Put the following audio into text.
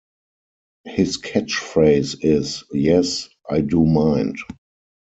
His catchphrase is Yes, I do mind!